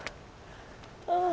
ああ。